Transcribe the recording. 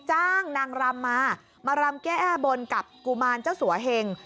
จ้างนางรำมามารำแก้บนกับกุมารเจ้าสัวเหง